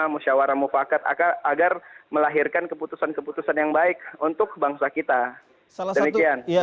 musyawarah mufakat agar melahirkan keputusan keputusan yang baik untuk bangsa kita demikian